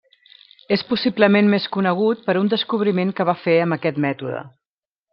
És possiblement més conegut per un descobriment que va fer amb aquest mètode.